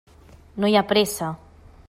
No hi ha pressa.